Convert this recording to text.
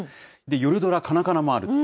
夜ドラ、カナカナもある。